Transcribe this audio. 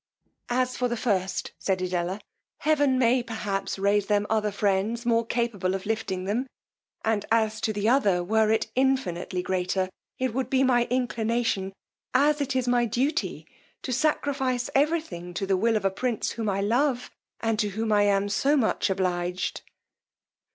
As for the first, said Edella, heaven may perhaps raise the mother friends more capable of lifting them; and as to the other, were it infinitely greater, it would be my inclination, as it is my duty, to sacrifice every thing to the will of a prince whom I love, and to whom I am so much obliged.